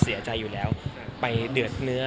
เสียใจอยู่แล้วไปเดือดเนื้อ